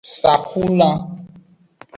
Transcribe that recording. Saxulan.